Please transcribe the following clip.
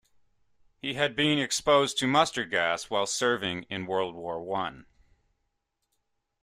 He had been exposed to mustard gas while serving in World War One.